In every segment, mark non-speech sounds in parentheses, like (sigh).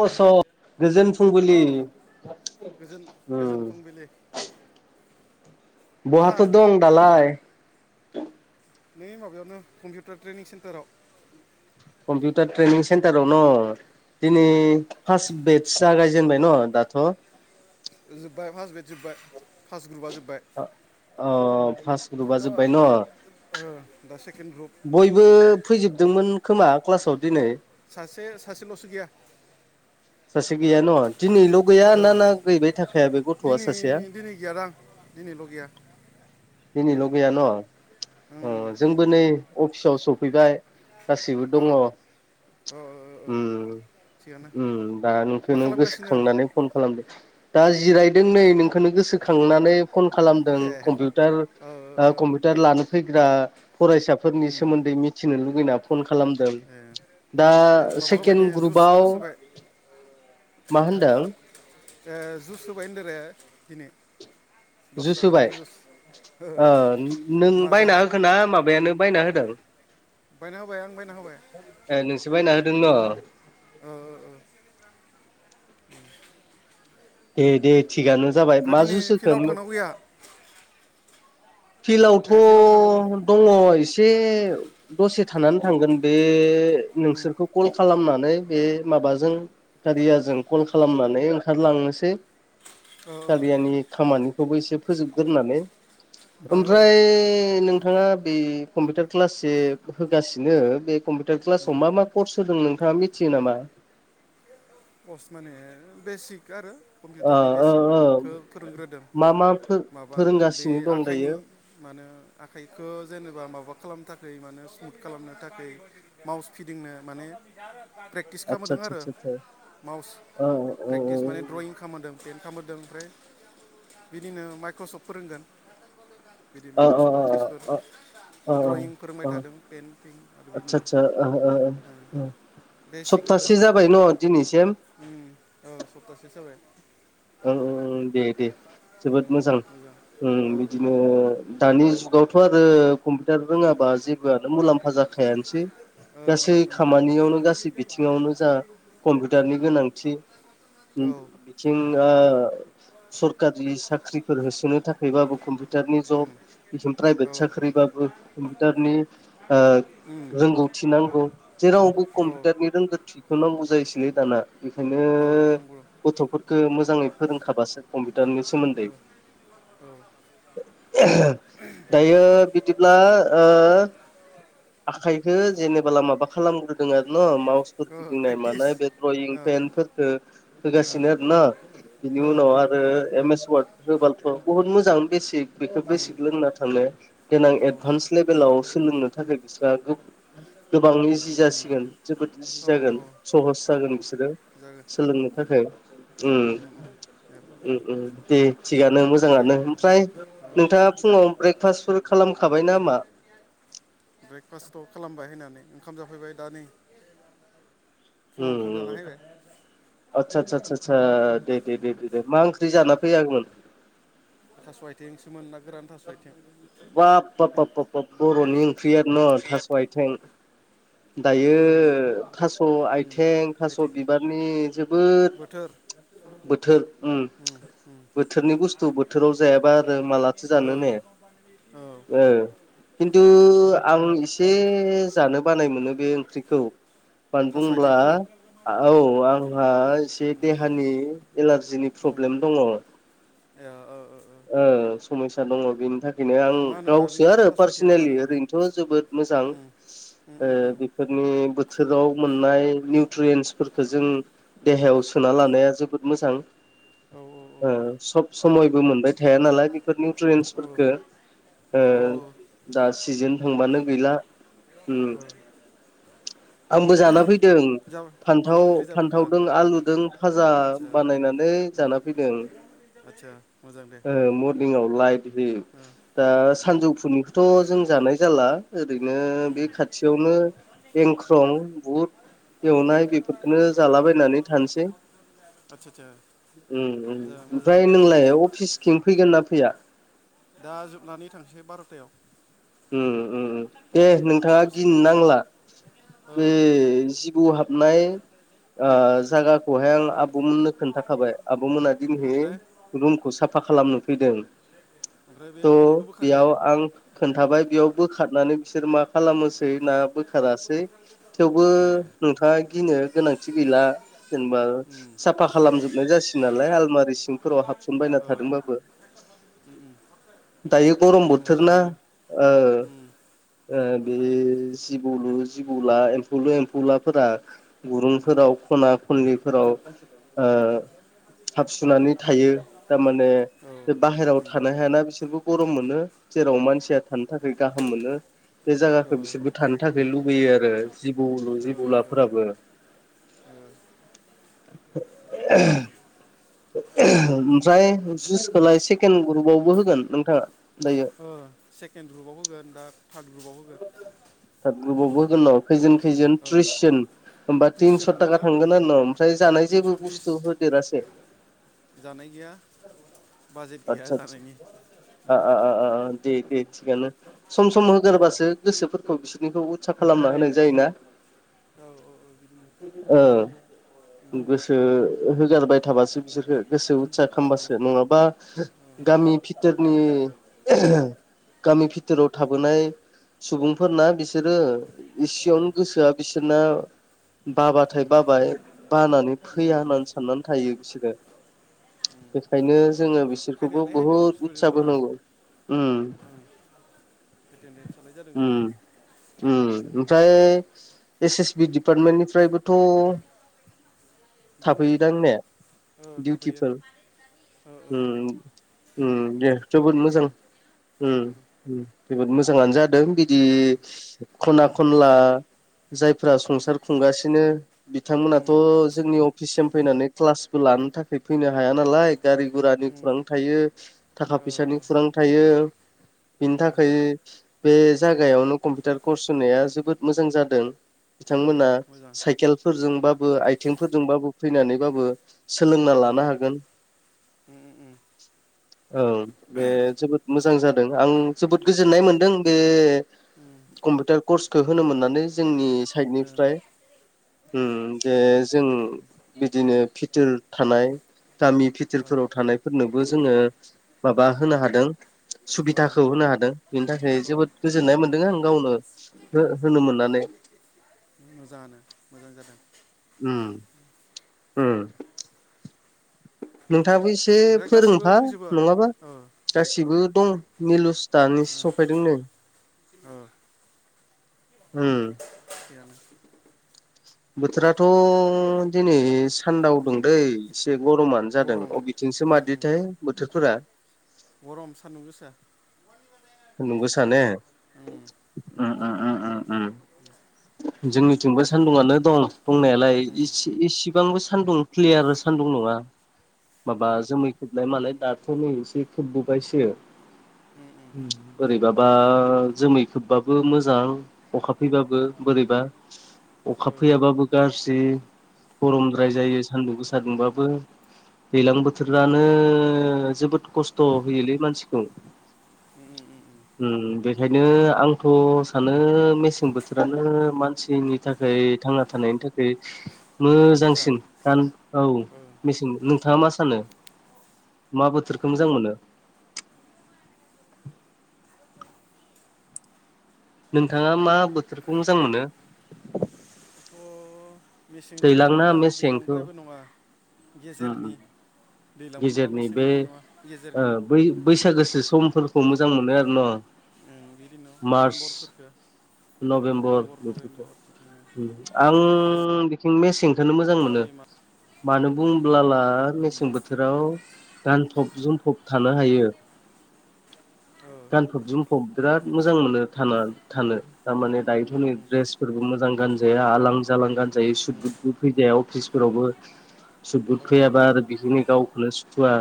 गोजोन फुंबिलि औ गोजोन गोजोन उम। फुंबिलि माहा बहाथ' दं दालाय। नै माबायावनो कम्पिउटार ट्रेनिं सेन्टाराव। कम्पिउटार ट्रेनिं सेन्टाराव न दिनै फार्स्ट बेच। जागायजेनबाय न दाथ'। जोब्बाय फार्स्ट बेट जोब्बाय फार्स्ट ग्रुपा जोब्बाय। अ। अ फार्स्ट ग्रुपा दा जोबबाय न' ओ दा सेकेन्ड ग्रुप बयबो फैजोबदोंमोन। खोमा क्लासाव दिनै। सासे सासेल'सो गैया। सासे गैया न' दिनैल' गैया ओ ना ना गैबाय थाखाया बे गथ'आ दिनै सासेया दिनै गैया दां। दिनैल गैया। दिनैल' गैया ओं न' जोंबो नै अफिसाव सफैबाय। गासिबो ओ दङ। ओ ओ ओ थिगानो दा मा नोंखौनो खालामगासिनो गोसोखांनानै। फन खालामदो दा जिरायदों नै नोंखौनो गोसोखांनानै फन खालामदों ए कम्पिउार। ओ ओ टार ओ कमपिउ। टार लानो फैग्रा फरायसाफोरनि उम सोमोन्दै मिथिनो लुगैना फन खालामदों। ए दा ओइ माबा होबाय नै सेकेणड जुस थुस ग्रुपआव होबाय मा होनदों। जुस होबाय होन द आरो दिनै। दस थाखानि जुसोबाय जुस ओ नों माजा बायना होखो ना माबायानो बायना होदों। बायना होबाय आं बायना होबाय। ए नोंसोर बाय न' होदों न'। ओ ओ ओ। दे दे थिगानो जाबाय ओमफ्राय मा दिनै जुस फिल्डआव होखो। थांनांगौ गैया ए फिल्डआव थांनांगौ फिल्डआवथ' दङ एसे दसे थानानै थांगोन बे। नोंसोरखौ कल खालामनानै बे माबाजों। गारिया जों कल खालामनानै ओंखारलांनोसै। ओ ओ गारियानि खामानिखौबो एसे फोजोबगोन होननानै। ओ ओमफ्राय नोंथाङा बे कम्पिटार क्लाससे होगासिनो बे कम्पिटार क्लासाव मा मा कर्स होदों नोंथाङा मि थियो नामा? पस्ट माने बेसिक आरो ओ कम्पिटारनि ओ ओ बेसिकखो फोरोंग्रोदों मा मा माबा बे फोरोंगासिनो दं आखाइनि दायो मानो आखाइखो जेनेबा माबा खालामनो थाखै मानो स्मुथ खालामनो थाखै माउस फिदिंनो माने प्रेक्टिस आदसा खामहोदों आदसा आरो। आदसा आदसा माउस ओ ओ ओ प्रेक्टिस ओ माने ड्रयिं खामहोदों प्रेन्ट खामहोदों ओमफ्राय बिदिनो माइक्रसफ्ट फोरोंगोन। बिदि माइक्रसफ्ट अफिसफोर ओ ओ द्रयिं फोरोंबाय थादों पेन्टिं आरो आदसा बिदिनो आदसा ओ ओ ओ ओ ओ। बेसिग आरो। (unintelligible) न' दिनैसेम उम औ सप्तासेसो जाबाय। ओं ओं दे दे जोबोद मोजां औ उम ओ बिदिनो दानि जुगावथ' आरो कम्पिटार रोङाबा जेबोआनो मुलाम्फा जाखायानोसै गासै उम खामानियावनो गासै बिथिङावनो जा कम्पिटारनि उम गोनांथि। औ थिं ओ सरकारनि साख्रिफोर होसोनो थाखायबाबो कम्पि टारनि जब उम (unintelligible) प्राइभेट औ साख्रिबाबो कम्पिउशटारनि ओ उम रोंगौथि नांगौ। जेरावबो औ कम्पिटारनि रोंगो थिखौनो बुजायसैलै दाना बेखायनो औ नांगौ गथ'फोरखो मोजाङै फोरोंखाबासो कम्पिटारनि सोमोन्दै औ दायो बिदिब्ला ओ आखाइखो जेनेबोला माबा खालामग्रोदों आरो न' माउसफोर ओ गिदिंनाय प्रेक्टिस मानाय बे द्रयिं ओ पेन फोरखो ओ होगासिनो आरो न'? बिनि ओ उनाव ड्रयिं आरो पेन एम बेफोरखौ एस वार्ड होबालथ' बहुत मोजां बेसिक बेखौ उम बेसिक लोंना थांनो देनां औ एदभान्स लेभेलाव सोलोंनो थाखाय बिसोरहा गोबांन इजि उम जासिगोन जोबोद जि औ जागोन सहस जागोन औ बिसोरो जागोन ओ सोलोंनो थाखाय। उम उम उम। ओ उम उम दे थिगानो दे मोजाङानो ओ ओमफ्राय ओ नोंथाङा फुङाव ब्रेकफास्ट फोर खालामखाबायना मा? ब्रेकफास्टथ' खालामबाय होननानै ओंखाम जाफैबाय दा नै फुङाव ओंखाम उम जाना फैबाय। आदसा सा सा सा सा दे दे दे उम दे दे मा ओंख्रि जाना फैयामोन? थास'आथिंसोमोन ना गोरान थास' आथिं बाब बाब बाब बाब बाब बर'नि ओंख्रियान' ओंख्रिया थास' आयथें। दायो उम थास'आइथें थास' आथिं बिबारनि जोबोद बोथोर। उम बोथोरनि बुस्थु उम बोथोराव जायाबा आरो (unintelligible) मालाथो जानो उम। औ किन्थु आं इसे जानो बानाय मोनो बे ओंख्रिखौ। मानो थास' बुंब्ला आथिंखो ओ औ आंहा एसे देहानि एलार्जिनि फ्रब्लेम दङ। ओ औ ओ ओ। ओं समयसा दङ बेनि थाख खैनो आं औ मा होनोना बे गावसो आरो थास' आथिङा मा पार्सनेलि होनो ओरैनोथ' जोबोद मोजां उम उम ओ उम उम बे फोरनि बोथोराव मोननाय निउट्रियेन्सफोरखो जों देहायाव सोना लानाया जोबोद मोजां औ औ सब समयबो मोनबाय थाया नालाय बेफोर औ निउट्रियेन्सफोरखो ओ औ दा सिजोन थांबानो गैला औ आंबो जाना फैदों जा मा मा फान्थाव ओंख्रि जाबोखो फान्थावदों आलुदों फाजा आदसा बानायनानै जाना फैदों। आतसा मरनिंआव लाइट हो ओ दा उम उम उम सानजौफुनिखौथ' जों जानाय जाला ओरैनो बे उम खाथियावनो एंख्रं बुट एवनाय बेफोरखौनो जालाबायनानै थानोसै आतसा आतसा ओमफ्राय नोंलाय अफिसथिं फैगोन ना फैया। दा जोबनानै थांसै बार'थायाव दे उम दा नोंथाङा दसे गिनो थाबावनोसै नांला ओ बे जि बोव हाबनाय ओ उम जायागाखौहाय आं आब'मोननो खोन्थाखाबाय आबौमोना दिनैहै ओमफ्राय रुमखौ साफा खालामनो फैदों ओमफ्राय बे थ' गनखौ बोखारगोन बेयाव आं थाबाय बेयाव बोखारनानै बिसोर मा खालामनोसै ना बोखारासै थेवबो ए नोंथाङा गिनो गोनांथि गैला जेनेबा उम साफा खालामजोबनाय जासिगोन नालाय आलमारि सिंफोराव हाबसनबायना ओ थादोंबाबो। (unintelligible) दायो गरम दे बोथोरना मोजाङानो ओ उम बे मोजाङानो जिबौलु जिबौला एम्फौलु एम्फौलाफोरा उम गुरुंफोराव खना खनलिफोराव हाब सुनानै थायो थामाने औ बे बाहेरायाव उम थानो हायाना बि बिसोरबो गरम मोनो जेराव मानसिया थानो थाखाय गाहाम मोनो। बे ओ जायगाखौ बिसोरबो थानो थाखाय लुबैयो आरो जिबौल ओ जिबौलाफोराबो (inaudible) ओमफ्राय जुइसखौलाय सेकेणड ग्रुपआवबो होगोन नोंथाङा दायो। सेकेण्ड ग्रुपआव होगोन दा थार्द ग्रुपआव होगोन। ग्रुबावबो जोंनाव खैजोन खैजोन थ्रिसजोन होमबा तिनस' क्रिस्टियान हमना थाखा ला थांगोन आरो न' ओमफ्राय जानाय तिनस' जेबो बिस बुस्थु होदेरासै जानाय गैया बाजेट गैया आदसा आदसा जानायनि आ आ आ आ दे दे थिगानो सम सम उम उम होगारबासो गोसोफोरखौ बिसोरनिखौ उत्सा खालामना होनाय जायोना। औ औ औ बिदिनो सम सम ओं उम गोसो होगारबाय थाबासो बिसोरखो गोसो उत्सा औ खालामबासो नङाबा औ गामि भिटोरनि गामि भिटोराव थाबोनाय सुबुंफोरना बिसोरो औ एसेयावनो गोसोआ बिसोरना बाबाथाय बाबाय बानानै फैया उम होननानै साननानै थायो बिसोरो। बेखायनो जोंङो बिसोरखौबो हायनायालाय हायदों बहुद उत्साब स्टुडेन्टफोरा होनांगौ। अम एटेडेन्स थानायानाय जादों जानायालाय अम ओमफ्राय एस एस बि डिपार्टमेन्टनिफ्रायबोथ' दोङो थाफैदां ने ओ थाफैयो दिउटिफोर ओ ओ ओ अम उम अम उम दे उम जोबोद मोजां जोबोद मोजाङानो जादों बिदि उम खना खनला जायफोरा संसार खुंगासिनो उम बिथांमोनाथ' जोंनि अफिससिम फैनानै क्लासबो लानो थाखाय फैनो हाया नालाय गारि गुरानि उम खौरां थायो थाखा ओ फैसानि ओ खुरां थायो। बिनि थाखाय बे जागायावनो कम्पिउटार कर्स होनाया जोबोद मोजां जादों। ओ औ बिथांमोना मोजां साइकेलफोरजोंबाबो आइथिंफोरजोंबाबो फैनानैबाबो सोलोंना लानो हागोन। उम उम। (inaudible) ओं, बे जोबोद मोजां जादों आं जोबोद गोजोननाय मोनदों बे कम्पिउटार कर्सखौ होनो मोन्नानै जोंनि साइडनिफ्राय। ओ, उम जे जों बिदिनो भिथोर थानाय गामि भि थोर फोराव थानायफोरनोबो जोङो माबा होनो हादों ओ, सुबिदाखौ होनो हादों बेनि थाखाय ओ, जोबोद गोजोननाय मोन्दों आं गावनो ओ, हो-होनो मोननानै। मोजाङानो। मोजां जादों। उम। उम नोंथाङाबो एसे ओमफ्राय गासिबो फोरोंफा दंजोबो नङाबा औ गासैबो दं निलुस दानिसो सफैदों नै। औ उम। थिखआनो। बोथोराथ' दिनै सान्दाव दों उम दैै एसे गरमानो जादों गरम अ' थिंसो उम उम मादिथाइ बोथोरफोरा? गरम सान्दुं गोसा। सान्दुं गोसा ने? उम उम उम उम उम उम। बे जोंनिथिंबो सान्दुंआनो दं दंनायालाय उम इसि-इससिबांबो सान्दुं क्लियार सान्दुं नङा। माबा औ जोमै खोबनाय मालाय दाथ' नै एसे खोबबोबायसो। उम उम बोरैबाबा जोमै खोबबाबो मोजां अखा फैबाबो ओ बोरैबा औ अखा फैयाबाबो गाज्रि औ गरमद्राय उम जायो सान्दुं गोसा दुंबाबो। दैलां बोथोरानो जोबोद खस्थ' होयोलै मानसिखौ। उम उम उम उम। उम उम बेखायनो आंथ' सानो मेसें बोथोरानो मानसिनि थाखाय थांना थानायनि थाखाय मोजां मोजांसिन। दान औ ओ मेसें नोंथाङा मा सानो मा बोथोरखौ मोजां मोनो? नोंथाङा मा बोथोरखौ मोजां मोनो? आंथ' मेसेंद्रायबो दैलांना नङा मेसेंखौ दैलांद्रायबो नङा उम गेजेरनि। उम दैज्लांबो नङा गेजेरनि बे मेसेंबो नङा ओ गेजेरनि बै बैसागोसो समफोरखौ मोजां मोनो आरो न'? उम बिदिनो मार्च नभेम्बरफोरखौ नभेम्बर अक्ट'बर नभेम्बर थिं फेब्रुवारि आं बेथिं मेसेंखौनो मोजां मोनो मा मानो बुंब्लाला उम मेसेंबोथो राव गानफब जोमफब थानो हायो। ओ। फब जोमफब बिराद मोजां मोनो थानो थानो उम थारमाने दायोथ' उम नै उम ड्रेसफोरबो मोजां गानजाया आलां जालां गानजायो सुट उम बुतबो फैजाया अफिसफोरावबो सुट बुत उम ओ फैयाबा आरो बिदिनो गावखौनो सुखुवा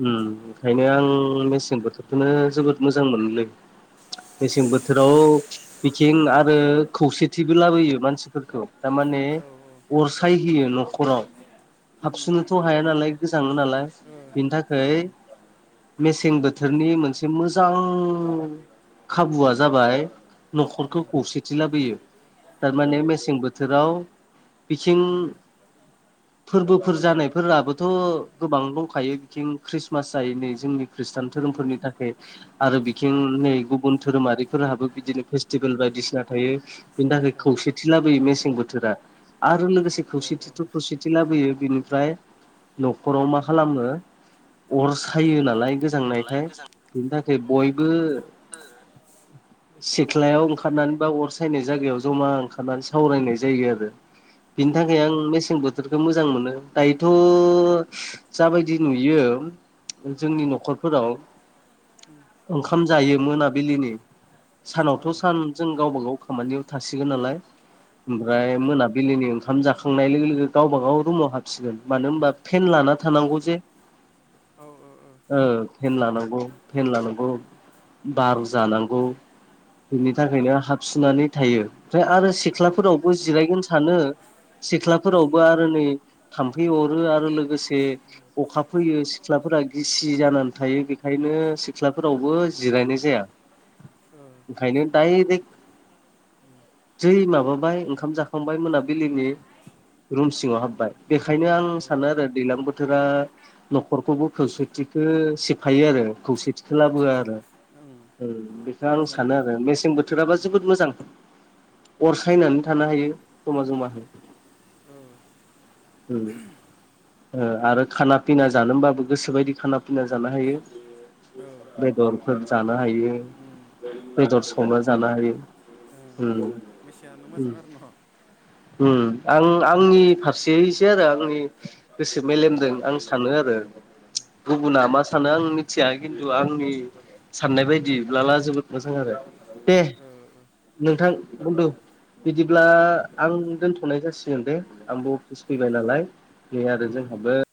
ओम ओंखायनो आं मेसें बोथोरखौनो जोबोद मोजां मोनोलै। मेसें बोथोराव बिखिं आरो खौसेथिबो लाबोयो मानसिफोरखौ थारमाने ओ औ अर सायहोयो न'खराव। उम ओ उम खुसुनोथ' हाया नालाय गोजाङो नालाय ओ बिनि थाखाय मेसें बोथोरनि मोनसे मोजां खाबुआ जाबाय न'खरखौ खौसेथि लाबोयो। थारमाने मेसें बोथोराव बिथिं उम फोरबो फोर जानायफोराबोथ' गोबां दंखायो बिथिं खृस्मास जाय नै जोंनि खृष्टान उम धोरोमफोरनि थाखाय आरो बिथिं नै गुबुन धोरोमारिफोरहाबो बिदिनो फेस्टिभेल बायदिसिना थायो। बिनि थाखाय ओ खौसेथि लाबोयो मेसें बोथोरा आरो लोगोसे औ खौसेथिथ' औ खौसेथि लाबोयो बिनिफ्राय न'खराव मा खालामो अर सायो नालाय दालाय गोजांनायखाय गोजां बिनि थाखाय बयबो सेख्लायाव ओंखारनानै बा अर सायनाय जायगायाव जमा ओंखारनानै सावरायनाय जायो आरो बिनि औ थाखाय आं मेसें बोथोरखौ मोजां मोनो दायोथ' जाबायदि नुयो जोंनि न'खरफोराव ओंखाम जायो मोनाबिलिनि औ ओ सानावथ' सान जों गावबा गाव खामानियाव थासिगोन नालाय ओमफ्राय मोनाबिलिनि ओंखाम जाखांनाय लोगो लोगो गावबाागाव रुमाव हाब सिगोन मानो होनबा पेन लाना उम थानांगौ जे औ औ औ औ फेन लानांगौ फेन लानांगौ उम औ उम बार' जानांगौ बिनि थाखायनो हाबसुनानै थायो ओमफ्राय आरो सेख्लाफोरावबो जिरायगोन सानो सेख्लाफोरावबो आरो नै थाम्फै अरो आरो लोगोसे अखा फैयो सेख्लाफोरा गिसि जानानै थायो बेखायनो उम सेख्लाफोरावबो जिरायनाय जाया। ओ ओंखायनो दायरेक जै माबाबाय ओंखाम जाखांबाय मोनाबिलिनि रुम सिङाव हाब्बाय। उम बेखायनो आं औ सानो आरो दैज्लां बोथोरा न'खरखौबो खौसेथिखौ सिफायो आरो खौसेथि आदसा खोलाबोआ सा आरो ओं बेखौ आं सानो मोजाङानो आरो मेसें बो बोथोराबा जोबोद मोजां अर सायनानै थानो हायो समाव जों मा होनो ओं उम आरो खाना फिना जानबाबो गोसोबायदि खाना फिना जानो हायो। औ बेदरफोर जानो हायो उम बेदर संना ओंखायनो जानो हायो। ओ उम मेसेङानो मोजां आरो न। आं आंनि फास खौसेयैसो आरो आंनि गोसो औ मेलेमदों आं सानो आरो गुबुना मा सानो आं मिथिया खिन्थु आंनि साननाय बायदिब्लाला जोबोद मोजां आरो दे ओ नोंथां बन्दु बिदिब्ला आं दोनथ'नाय जासिगोन दे आंबो स फैबाय नालाय बे ओ आरो ओ ओ जोंहाबो